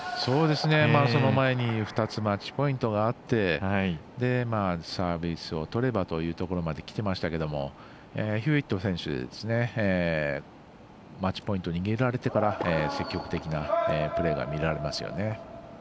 その前に２つマッチポイントがあってサービスを取ればというところまできていましたがヒューウェット選手マッチポイントを握られてから積極的なプレーが見られますよね。